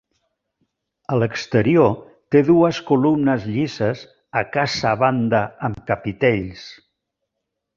A l'exterior té dues columnes llises a casa banda amb capitells.